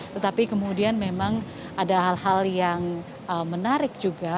tetapi kemudian memang ada hal hal yang menarik juga